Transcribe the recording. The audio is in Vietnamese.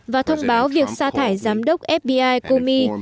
và thông báo việc xa thải giám đốc fbi kumi